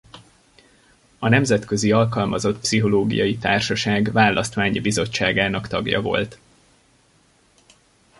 A Nemzetközi Alkalmazott Pszichológiai Társaság választmányi bizottságának tagja volt.